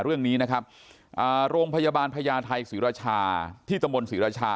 เรื่องนี้นะครับโรงพยาบาลพญาไทยศรีราชาที่ตะมนต์ศรีราชา